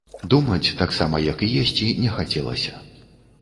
Думаць, таксама як і есці, не хацелася.